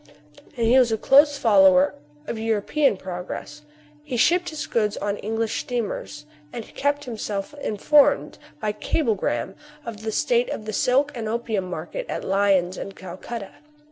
As he was a close fol lower of European progress, he shipped his goods on English steamers, and kept himself informed by cablegram of the state of the silk and opium market at Lyons and Calcutta.